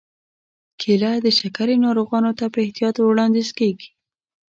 کېله د شکرې ناروغانو ته په احتیاط وړاندیز کېږي.